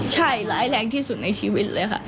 ใช่ร้ายแรงที่สุดในชีวิตเลยค่ะ